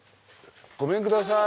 ごめんください！